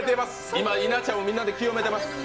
今、稲ちゃんをみんなで清めてます。